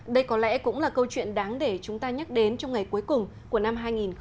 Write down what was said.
đây có lẽ cũng là câu chuyện đáng để chúng ta nhắc đến trong ngày cuối cùng của năm hai nghìn một mươi chín